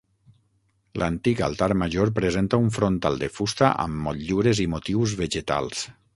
L'antic altar major presenta un frontal de fusta amb motllures i motius vegetals.